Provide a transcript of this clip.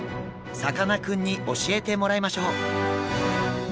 さかなクンに教えてもらいましょう。